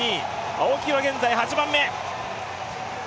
青木は現在８番目。